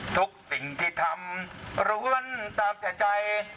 ทุกสิ่งที่ทำล้วนตามแต่ใจ